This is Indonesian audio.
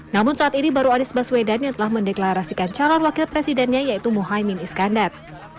namun saat ini baru anies baswedan yang telah mendeklarasikan calon wakil presidennya yaitu muhaymin iskandar